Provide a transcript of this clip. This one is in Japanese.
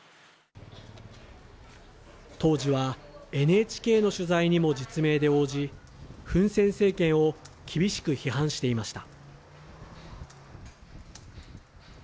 当時はＮＨＫの取材にも実名で応じ、フン・セン政権を厳しく批判していました。